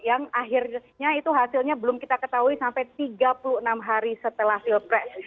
yang akhirnya itu hasilnya belum kita ketahui sampai tiga puluh enam hari setelah pilpres